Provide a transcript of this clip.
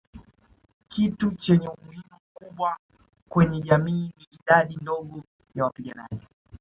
Kitu chenye umuhimu mkubwa kwenye jamii ni idadi ndogo ya wapiganaji